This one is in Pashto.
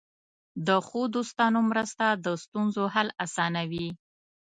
د ښو دوستانو مرسته د ستونزو حل آسانوي.